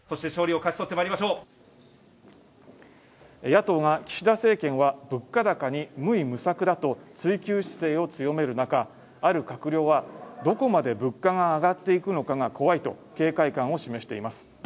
野党が岸田政権は物価高に無為無策だと追及姿勢を強める中ある閣僚はどこまで物価が上がっていくのかが怖いと警戒感を示しています